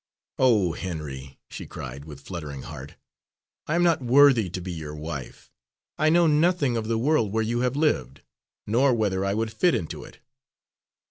"Oh, Henry," she cried with fluttering heart, "I am not worthy to be your wife. I know nothing of the world where you have lived, nor whether I would fit into it."